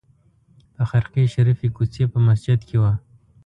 په خرقې شریفې کوڅې په مسجد کې وه.